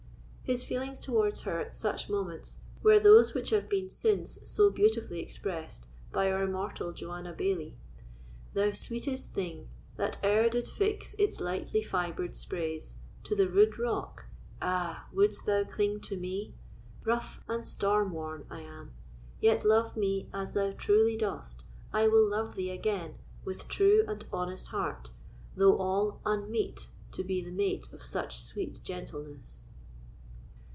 His feelings towards her at such moments were those which have been since so beautifully expressed by our immortal Joanna Baillie: Thou sweetest thing, That e'er did fix its lightly fibred sprays To the rude rock, ah! wouldst thou cling to me? Rough and storm worn I am; yet love me as Thou truly dost, I will love thee again With true and honest heart, though all unmeet To be the mate of such sweet gentleness.